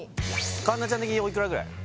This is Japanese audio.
環奈ちゃん的においくらぐらい？